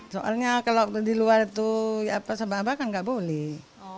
soalnya kalau di luar itu ya apa sama apa kan gak boleh